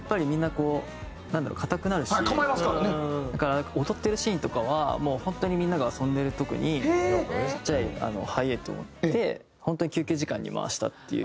だから踊ってるシーンとかは本当にみんなが遊んでる時にちっちゃいＨｉ８を持って本当に休憩時間に回したっていう。